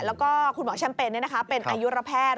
แล้วก็คุณหมอแชมเปญเป็นอายุระแพทย์